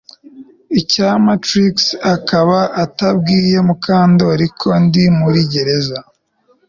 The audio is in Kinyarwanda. Icyampa Trix akaba atabwiye Mukandoli ko ndi muri gereza